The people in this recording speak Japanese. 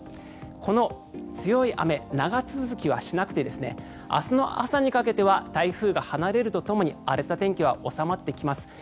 この強い雨、長続きはしなくて明日の朝にかけては台風が離れるとともに荒れた天気は収まってきます。